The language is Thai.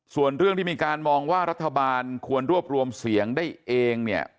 ส่วนเรื่องที่มีการมองว่ารัฐบาลควรรวบรวมเสียงได้เองเนี่ย